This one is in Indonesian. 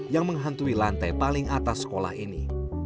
yang menghantui lantai paling atas sekolah ini